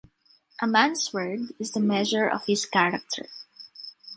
A man’s word is the measure of his character.